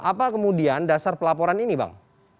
apa kemudian dasar pelaporan ini bang